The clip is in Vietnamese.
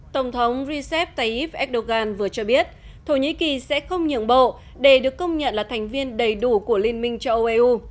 tổng thống recep tayyip erdogan vừa cho biết thổ nhĩ kỳ sẽ không nhượng bộ để được công nhận là thành viên đầy đủ của liên minh châu âu eu